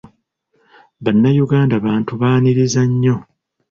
Bannayuganda bantu baaniriza nnyo.